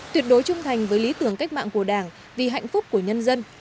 tuyệt đối trung thành với lý tưởng cách mạng của đảng vì hạnh phúc của nhân dân